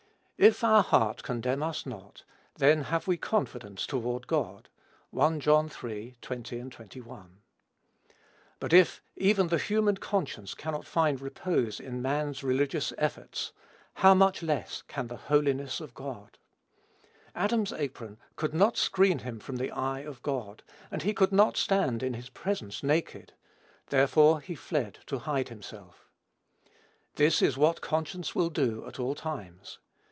"If our heart condemn us not, then have we confidence toward God." (1 John iii. 20, 21.) But if even the human conscience cannot find repose in man's religious efforts, how much less can the holiness of God. Adam's apron could not screen him from the eye of God; and he could not stand in his presence naked: therefore he fled to hide himself. This is what conscience will do at all times.